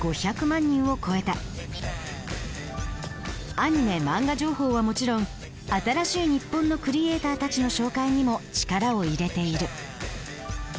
アニメマンガ情報はもちろん新しい日本のクリエーターたちの紹介にも力を入れている。